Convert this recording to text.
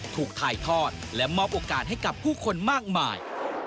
ถูกถ่ายทอดและมอบโอกาสให้กับผู้คนมากมาย